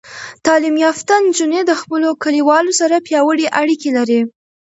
تعلیم یافته نجونې د خپلو کلیوالو سره پیاوړې اړیکې لري.